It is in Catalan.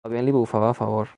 El vent li bufava a favor.